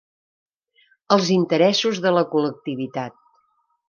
Els interessos de la col·lectivitat.